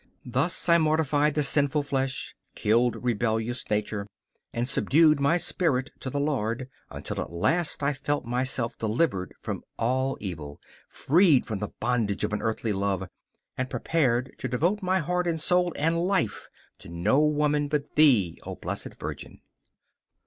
Thus I mortified the sinful flesh, killed rebellious nature and subdued my spirit to the Lord until at last I felt myself delivered from all evil, freed from the bondage of an earthly love and prepared to devote my heart and soul and life to no woman but thee, O Blessed Virgin!